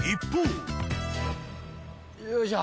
よいしょ。